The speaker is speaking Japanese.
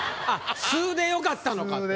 あっ「す」でよかったのか。